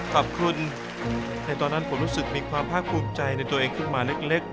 ขอบคุณในตอนนั้นผมรู้สึกมีความภาคภูมิใจในตัวเองขึ้นมาเล็ก